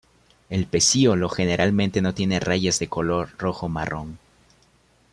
El pecíolo generalmente no tiene rayas de color rojo-marrón.